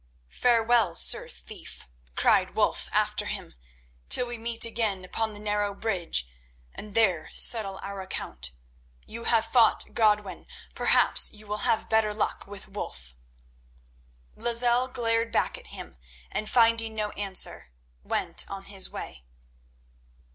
"Farewell, Sir Thief," cried Wulf after him, "till we meet again upon the narrow bridge and there settle our account. You have fought Godwin, perhaps you will have better luck with Wulf." Lozelle glared back at him, and, finding no answer, went on his way.